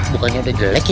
bukannya dia jelek ya